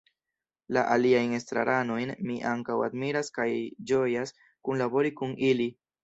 La aliajn estraranojn mi ankaŭ admiras kaj ĝojas kunlabori kun ili.